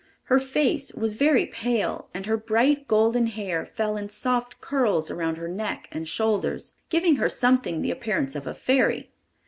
Her face was very pale and her bright golden hair fell in soft curls around her neck and shoulders, giving her something the appearance of a fairy.